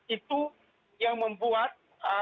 itu yang membuat